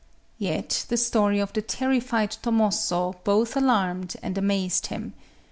Yet the story of the terrified Tomozō both alarmed and amazed him.